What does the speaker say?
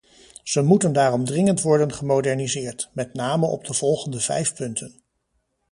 Ze moeten daarom dringend worden gemoderniseerd, met name op de volgende vijf punten.